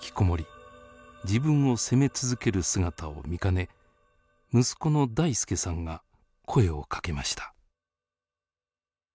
自分を責め続ける姿を見かね息子の大輔さんが声をかけました。